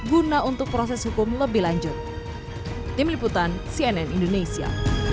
guna untuk proses hukum lebih lanjut tim liputan cnn indonesia